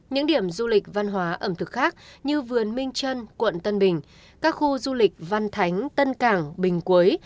những điểm du lịch văn hóa ẩm thực khác như vườn minh trân quận tân bình các khu du lịch văn thánh tân cảng bình quế